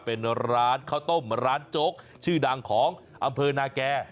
เป็นร้านข้าวต้มร้านโจ๊กชื่อดังของอำเภอนาแก่